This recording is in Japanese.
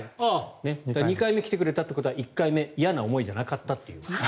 ２回目来てくれたということは１回目嫌な思いじゃなかったという。